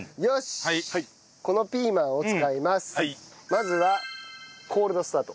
まずはコールドスタート。